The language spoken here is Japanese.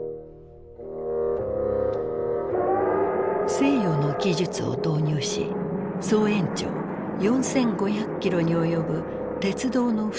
西洋の技術を導入し総延長４，５００キロに及ぶ鉄道の敷設を推進。